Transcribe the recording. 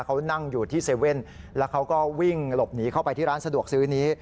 เขานั่งอยู่ที่๗๑๑แล้วเขาก็วิ่งหลบหนีเข้าไปที่ร้านสะดวกซื้อนี้